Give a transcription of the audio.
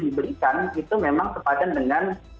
diberikan itu memang sepadan dengan